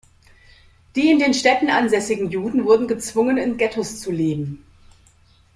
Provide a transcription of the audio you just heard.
Die in den Städten ansässigen Juden wurden gezwungen, in Ghettos zu leben.